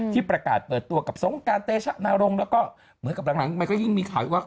ที่ประกาศเปิดตัวกับสงการเตชะนรงค์แล้วก็เหมือนกับหลังมันก็ยิ่งมีข่าวอีกว่า